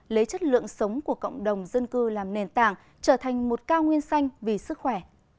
lấy chất lượng sống của cộng đồng dân cư làm nền tảng trở thành một cao nguyên xanh vì sức khỏe